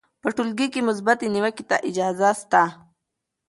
په ټولګي کې مثبتې نیوکې ته اجازه سته.